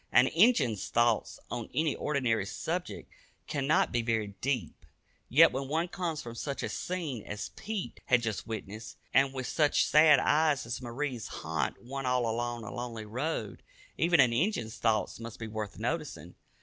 An "Injun's" thoughts on any ordinary subject cannot be very deep, yet when one comes from such a scene as Pete had just witnessed, and when such sad eyes as Marie's haunt one all along a lonely road, even an "Injun's" thoughts must be worth noticing.